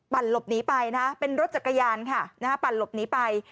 หลบหนีไปนะเป็นรถจักรยานค่ะนะฮะปั่นหลบหนีไป